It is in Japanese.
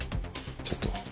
ちょっと。